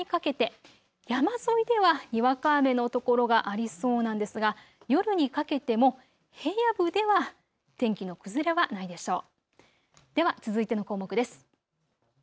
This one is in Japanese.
そして、このあと夕方にかけて山沿いでは、にわか雨の所がありそうなんですが夜にかけても平野部では天気の崩れはないでしょう。